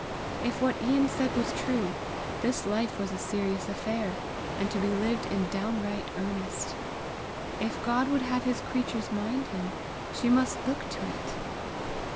If what Ian said was true, this life was a serious affair, and to be lived in downright earnest! If God would have his creatures mind him, she must look to it!